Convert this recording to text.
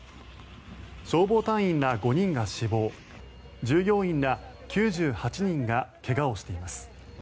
消防隊員ら５人が死亡従業員ら９８人が怪我をしています。